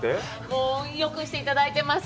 もうよくして頂いてます